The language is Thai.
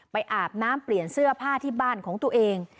อาบน้ำเปลี่ยนเสื้อผ้าที่บ้านของตัวเอง